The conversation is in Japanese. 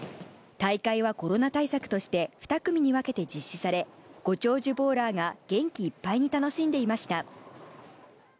大会はコロナ対策として、２組に分けて実施され、ご長寿ボウラーが、元気いっぱいに楽しんでいました。